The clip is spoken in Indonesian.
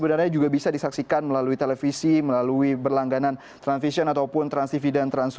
dan sebenarnya juga bisa disaksikan melalui televisi melalui berlangganan transvision ataupun transtv dan trans tujuh